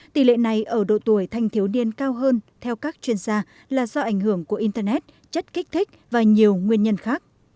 tỷ lệ này ở độ tuổi thanh thiếu niên cao hơn theo các chuyên gia là do ảnh hưởng của internet chất kích thích và nhiều nguyên nhân khác